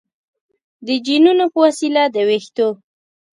د جینونو په وسیله د ویښتو